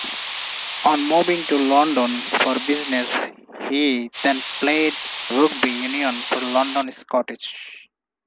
On moving to London for business he then played rugby union for London Scottish.